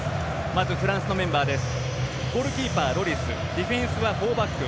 まずフランスのメンバーです。